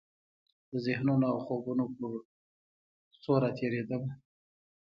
د ذهنونو او خوبونو پر کوڅو راتیریدمه